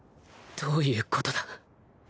どういうことだ？